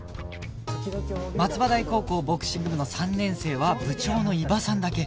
松葉台高校ボクシング部の３年生は部長の伊庭さんだけ